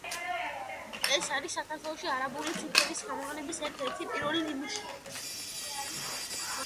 ეს არის საქართველოში არაბული ციფრების გამოყენების ერთ-ერთი პირველი ნიმუში.